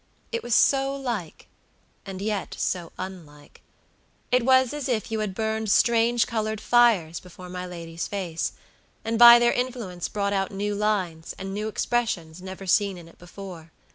It was so like, and yet so unlike. It was as if you had burned strange colored fires before my lady's face, and by their influence brought out new lines and new expressions never seen in it before.